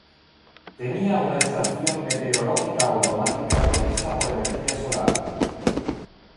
Tenía una estación meteorológica automática provista por energía solar.